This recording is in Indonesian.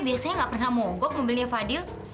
biasanya nggak pernah mogok mobilnya fadil